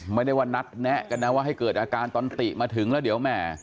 ไม่ได้ว่านัดแนะกันนะว่าให้เกิดอาการตอนติมาถึงแล้วเดี๋ยวแหม่